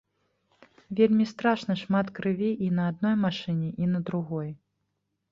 Вельмі страшна, шмат крыві і на адной машыне і на другой.